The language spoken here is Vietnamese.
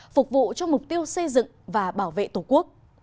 phục vụ cho mục tiêu xây dựng và bảo vệ tổ quốc